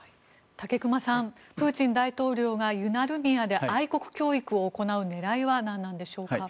武隈さんプーチン大統領がユナルミヤで愛国教育を行う狙いは何なんでしょうか。